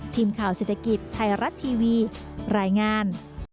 ทีมข่าวเศรษฐกิจไทยรัฐทีวีรายงาน